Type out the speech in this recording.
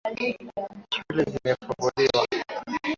Shule zimefunguliwa.